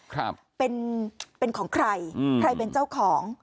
ครับเป็นเป็นของใครอืมใครเป็นเจ้าของ